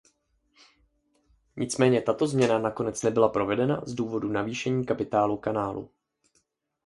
Nicméně tato změna nakonec nebyla provedena z důvodu navýšení kapitálu kanálu.